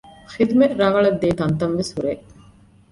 ޚިދުމަތް ރަނގަޅަށް ދޭ ތަންތަން ވެސް ހުރޭ